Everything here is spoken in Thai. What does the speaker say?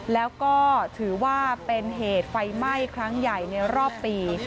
แล้วก็ถือว่าเป็นเหตุไฟไหม้ครั้งใหญ่ในรอบปี